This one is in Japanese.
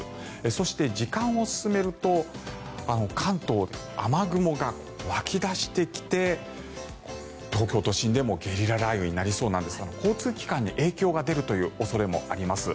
そして、時間を進めると関東、雨雲が湧き出してきて東京都心でもゲリラ雷雨になりそうなんですが交通機関に影響が出るという恐れもあります。